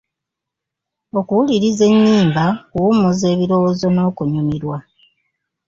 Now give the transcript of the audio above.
Okuwuliriza ennyimba kuwummuza ebirowoozo n'okunyumirwa.